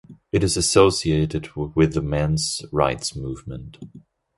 It is associated with the men's rights movement.